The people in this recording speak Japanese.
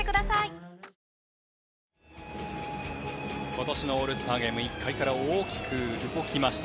今年のオールスターゲーム１回から大きく動きました。